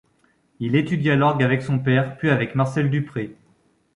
Il étudia l'orgue avec son père, puis avec Marcel Dupré.